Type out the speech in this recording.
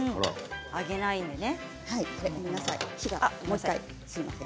揚げないんですね。